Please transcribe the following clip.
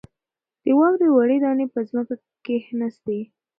د واورې وړې دانې په ځمکه کښېناستې.